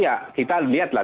ya kita lihat lah